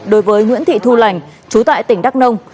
đối với nguyễn thị thu lành chú tại tỉnh đắk nông